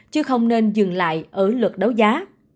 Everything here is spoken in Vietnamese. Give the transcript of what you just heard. chứ không nên dừng lại ở luật đấu giá